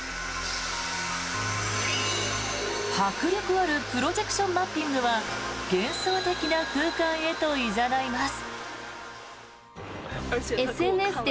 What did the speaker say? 迫力あるプロジェクションマッピングは幻想的な空間へといざないます。